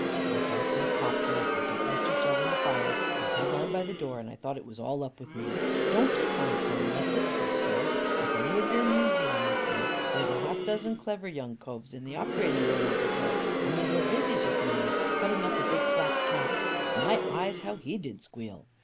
My heart went pop, Miss, like an oyster shell in the fire. I held on by the door, and I thought it was all up with me. 'Don't take on so, Missus,' says Curbs, 'if any of your museum is ill, there's half a dozen clever young coves in the operating room over there, only they're busy just now, cutting up a big black cat. My eyes, how he did squeal!